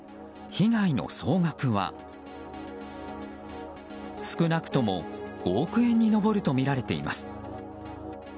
被害の総額は少なくとも５億円に上るとみられています。